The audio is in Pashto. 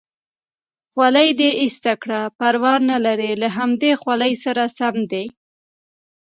خولۍ دې ایسته کړه، پروا نه لري له همدې خولۍ سره سم دی.